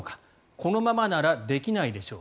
このままならできないでしょう。